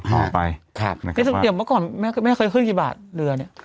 ออกไปค่ะเดี๋ยวเมื่อก่อนแม่เคยขึ้นกี่บาทเรือเนี่ย